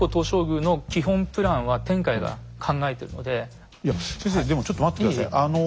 ほんとにそのいや先生でもちょっと待って下さい。